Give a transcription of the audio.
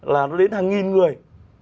là nó đến hàng nghìn người